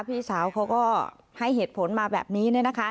พี่สาวเขาก็ให้เหตุผลมาแบบนี้เนี่ยนะคะ